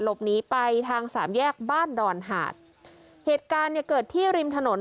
หลบหนีไปทางสามแยกบ้านดอนหาดเหตุการณ์เนี่ยเกิดที่ริมถนน